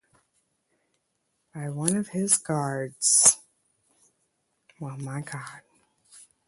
Imprisoned at Jamestown, he was killed by one of his guards.